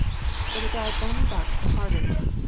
But the dog only barked the harder.